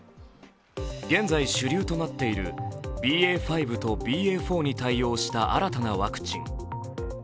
現在主流となっているＢＡ．５とＢＡ．４に対応した新たなワクチン。